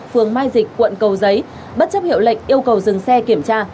phường mai dịch quận cầu giấy bất chấp hiệu lệnh yêu cầu dừng xe kiểm tra